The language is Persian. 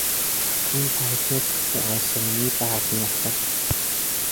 این پارکت به آسانی برق میافتد.